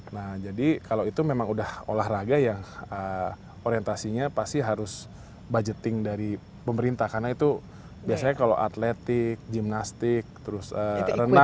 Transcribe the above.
nah jadi kalau itu memang udah olahraga yang orientasinya pasti harus budgeting dari pemerintah karena itu biasanya kalau atletik gimnastik terus renang